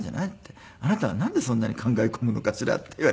「あなたはなんでそんなに考え込むのかしら」って言われて。